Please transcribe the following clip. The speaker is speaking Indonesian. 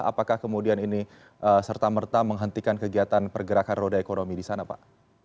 apakah kemudian ini serta merta menghentikan kegiatan pergerakan roda ekonomi di sana pak